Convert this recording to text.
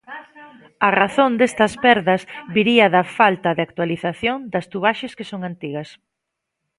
A razón destas perdas viría da "falta de actualización das tubaxes que son antigas".